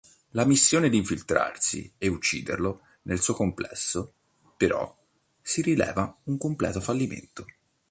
La missione d'infiltrarsi e ucciderlo nel suo complesso, però, si rivela un completo fallimento.